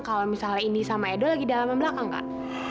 kalau misalnya indy sama edo lagi dalam yang belakang kan